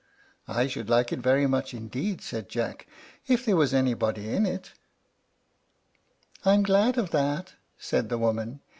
] "I should like it very much indeed," said Jack, "if there was anybody in it." "I'm glad of that," said the woman.